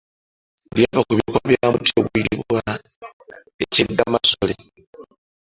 Lyava ku bikoola bya muti oguyitibwa ekyeggamasole.